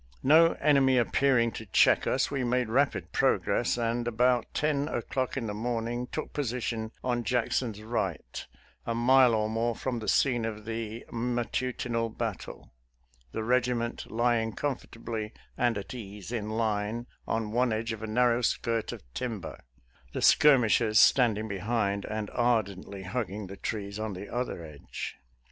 No enemy appearing to check 64 SOLDIER'S LETTERS TO CHARMING NELLIE US, we made rapid progress, and about ten o'clock in the morning took position on Jackson's right, a mile or more from the scene of the matu tinal battle — ^the regiment lying comfortably and at ease in line on one edge of a narrow skirt of timber, the skirmishers standing behind and ar dently hugging the trees on the other edge.